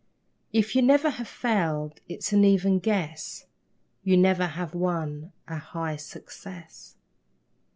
If you never have failed, it's an even guess You never have won a high success.